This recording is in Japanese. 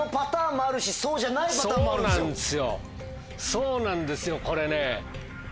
そうなんですよこれね。